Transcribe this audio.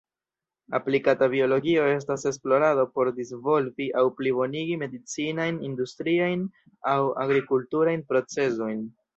Aplikata biologio estas esplorado por disvolvi aŭ plibonigi medicinajn, industriajn, aŭ agrikulturajn procezojn.